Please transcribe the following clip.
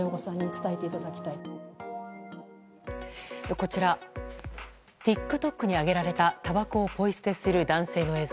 こちらＴｉｋＴｏｋにあげられたたばこをポイ捨てする男性の映像。